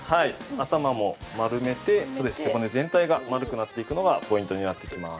頭も丸めて背骨全体が丸くなっていくのがポイントになっていきます。